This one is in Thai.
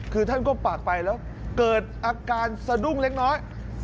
คือท่านก็ปากไปแล้วเกิดอาการสะดุ้งเล็กน้อย